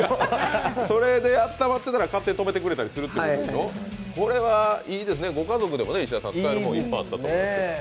それで温まってたら勝手に止めてくれるってことでしょ、これはいいですね、ご家族でも使えるものあったと思います。